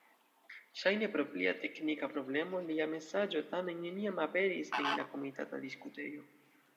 Ŝajne pro plia teknika problemo lia mesaĝo tamen neniam aperis en la komitata diskutejo.